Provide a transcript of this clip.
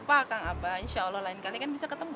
bapak kakak abah insya allah lain kali kan bisa ketemu